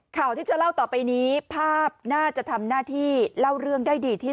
ข่าวที่จะเล่าต่อไปนี้ภาพน่าจะทำหน้าที่เล่าเรื่องได้ดีที่สุด